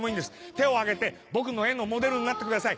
手を上げて僕の絵のモデルになってください。